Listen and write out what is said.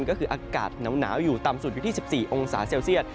ก็คืออากาศหนาวอยู่ต่ำสุดอยู่ที่๑๔องศาเซลเซียต